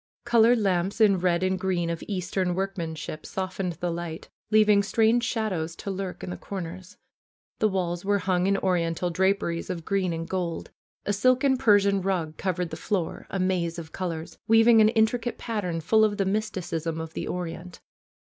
Colored lamps in red and green of eastern work manship softened the light, leaving strange shadows to lurk in the corners. The walls were hung in Oriental draperies of green and gold. A silken Persian rug covered the floor, a maze of colors, weaving an intri cate pattern full of the mysticism of the Orient.